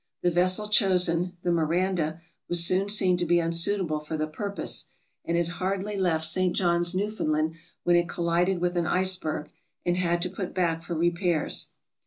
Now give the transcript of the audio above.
The vessel chosen, the "Miranda," was soon seen to be unsuitable for the purpose, and had hardly left St. John's, Newfoundland, when it collided with an iceberg and had to put back for repairs.